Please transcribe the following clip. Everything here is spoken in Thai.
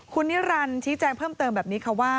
คุณนิรันดิ์ชี้แจงเพิ่มเติมแบบนี้ค่ะว่า